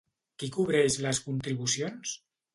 Qui cobreix les contribucions?